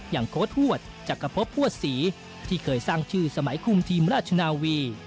โค้ดหวดจักรพบพวดศรีที่เคยสร้างชื่อสมัยคุมทีมราชนาวี